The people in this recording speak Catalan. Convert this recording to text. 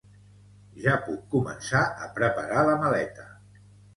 Ja puc començar a preparar la maleta